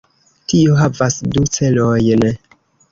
Tio havas du celojn.